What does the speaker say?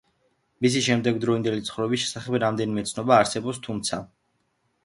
მისი შემდეგდროინდელი ცხოვრების შესახებ რამდენიმე ცნობა არსებობს, თუმცა, შესაძლოა, ისინი სიმართლეს არ შეესაბამებოდნენ.